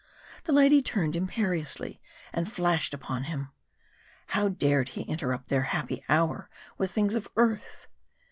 The lady turned imperiously, and flashed upon him. How dared he interrupt their happy hour with things of earth?